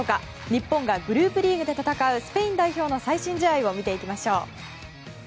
日本がグループリーグで戦うスペイン代表の最新試合を見ていきましょう。